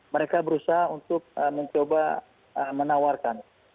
mereka berusaha untuk mencoba menawarkan